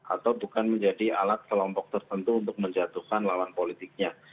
atau bukan menjadi alat kelompok tertentu untuk menjatuhkan lawan politiknya